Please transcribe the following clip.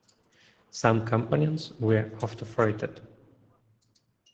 Some components were autofretted.